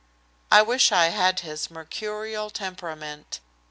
I wish I had his mercurial temperament.